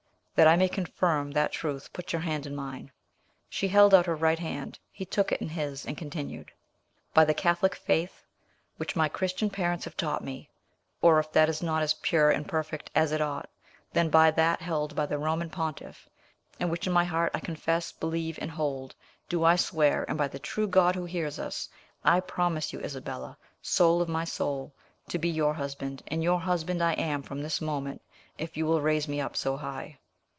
That I may confirm that truth, put your hand in mine." She held out her right hand; he took it in his, and continued: "By the Catholic faith which my Christian parents have taught me; or, if that is not as pure and perfect as it ought, then, by that held by the Roman pontiff, and which in my heart I confess, believe, and hold, do I swear, and by the true God who hears us, I promise you, Isabella, soul of my soul! to be your husband; and your husband I am from this moment, if you will raise me up so high."